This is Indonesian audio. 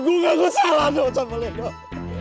gue gak ngesalah sama lo dok